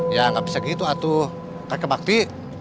ya nggak bisa gitu tuh gede gede pakai